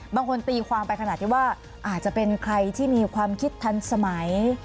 บางคนตีความไปขนาดที่ว่าอาจจะเป็นใครที่มีความคิดทันสมัย